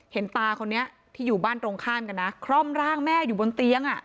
ตาคนนี้ที่อยู่บ้านตรงข้ามกันนะคร่อมร่างแม่อยู่บนเตียง